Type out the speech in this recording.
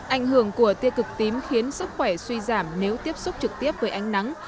ảnh hưởng của tiêu cực tím khiến sức khỏe suy giảm nếu tiếp xúc trực tiếp với ánh nắng